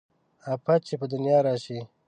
افت چې په دنيا راشي